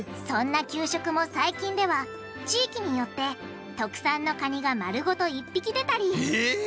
そんな給食も最近では地域によって特産のカニが丸ごと１匹出たりえ！